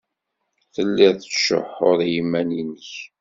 Telliḍ tettcuḥḥuḍ i yiman-nnek.